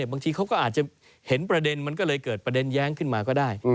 บางทีเขาก็อาจจะเห็นประเด็นมันก็เลยเกิดประเด็นแย้งขึ้นมาก็ได้